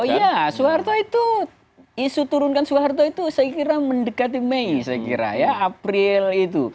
oh iya soeharto itu isu turunkan soeharto itu saya kira mendekati mei saya kira ya april itu